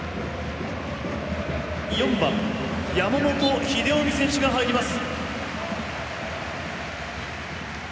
「４番山本英臣選手が入ります」。